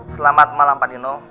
selamat malam pak dino